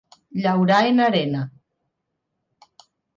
Llaurar en arena.